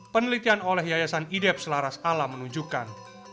penelitian oleh yayasan idep selaras alam menunjukkan